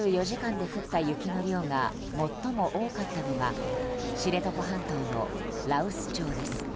２４時間で降った雪の量が最も多かったのが知床半島の羅臼町です。